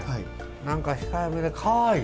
何か控えめでかわいい。